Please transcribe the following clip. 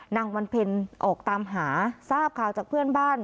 นางวันเพ็ญออกตามหาทราบข่าวจากเพื่อนบ้าน